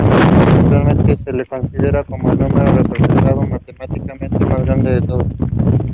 He passed his singing exam with distinction.